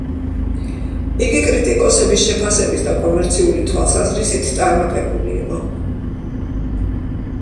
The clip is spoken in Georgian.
იგი კრიტიკოსების შეფასების და კომერციული თვალსაზრისით, წარმატებული იყო.